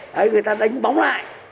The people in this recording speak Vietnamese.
đấy người ta đánh bóng lại